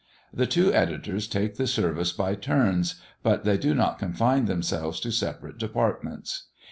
The two editors take the service by turns, but they do not confine themselves to separate departments.